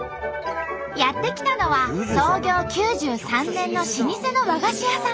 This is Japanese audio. やって来たのは創業９３年の老舗の和菓子屋さん。